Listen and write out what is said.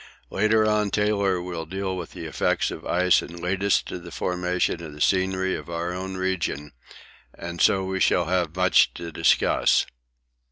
Later on Taylor will deal with the effects of ice and lead us to the formation of the scenery of our own region, and so we shall have much to discuss.